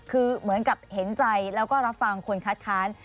คือเหมือนกับเห็นใจแล้วก็รับฟังคนคัดค้าน